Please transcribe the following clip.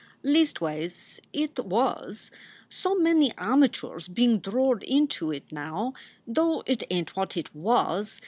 leastways it was. So many amachoors bein drord into it now, though, it ain t what it was.